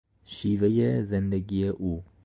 شیوهی زندگی او